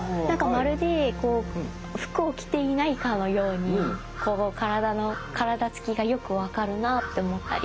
まるで服を着ていないかのように体つきがよく分かるなって思ったり。